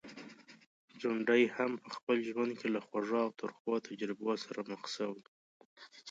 ځونډی هم په خپل ژوند کي له خوږو او ترخو تجربو سره مخ شوی.